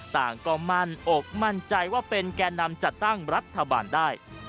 ต่างก็มั่นอกมั่นใจว่าเป็นแก่นำจัดตั้งรัฐบาลได้